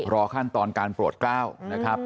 รอขั้นตอนการโปรดกล้าวนะครับ